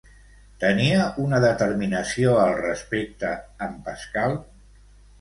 Tenia una determinació al respecte, en Pascal?